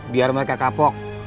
biar mereka kapok